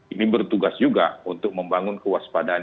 ini bertugas juga untuk membangun kewaspadaan